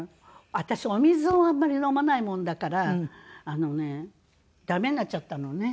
私お水をあんまり飲まないもんだからあのねダメになっちゃったのね。